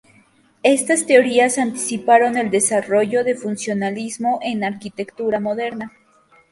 Estas teorías anticiparon el desarrollo de funcionalismo en arquitectura moderna.